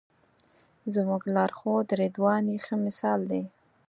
زموږ لارښود رضوان یې ښه مثال دی.